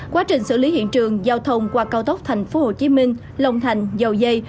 quá trình xử lý hiện trường giao thông qua cao tốc tp hcm long thành dầu dây